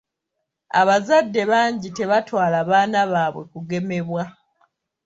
Abazadde bangi tebaatwala baana baabwe kugemebwa.